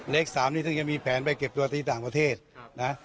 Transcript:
เลข๓นี้ซึ่งจะมีแผนไปเก็บตัวที่ต่างประเทศนะ